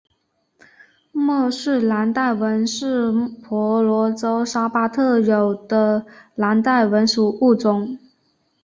莫氏蓝带蚊是婆罗洲沙巴特有的的蓝带蚊属物种。